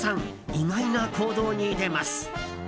意外な行動に出ます。